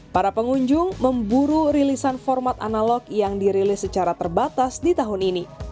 para pengunjung memburu rilisan format analog yang dirilis secara terbatas di tahun ini